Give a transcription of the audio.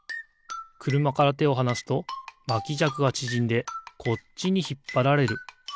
くるまからてをはなすとまきじゃくがちぢんでこっちにひっぱられる。